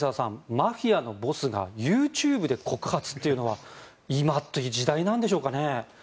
マフィアのボスがＹｏｕＴｕｂｅで告発というのは今という時代なんでしょうかね。